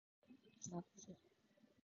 マップ